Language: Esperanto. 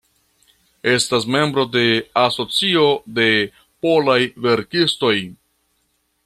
Estas membro de Asocio de Polaj Verkistoj.